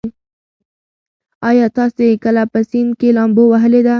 ایا تاسي کله په سیند کې لامبو وهلې ده؟